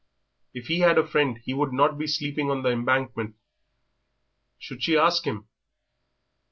If he had a friend he would not be sleeping on the Embankment. Should she ask him?